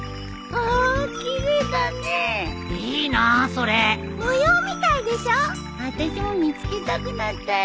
あたしも見つけたくなったよ。